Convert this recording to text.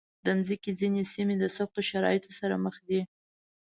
د مځکې ځینې سیمې د سختو شرایطو سره مخ دي.